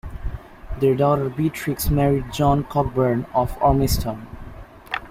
Their daughter Beatrix married John Cockburn of Ormiston.